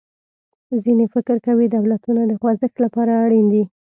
ځینې فکر کوي دولتونه د خوځښت له پاره اړین دي.